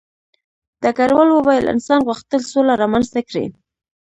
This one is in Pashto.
ډګروال وویل انسان غوښتل سوله رامنځته کړي